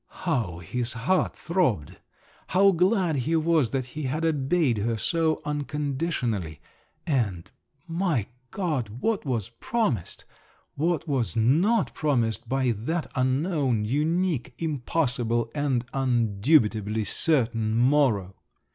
How his heart throbbed! How glad he was that he had obeyed her so unconditionally! And, my God, what was promised … what was not promised, by that unknown, unique, impossible, and undubitably certain morrow!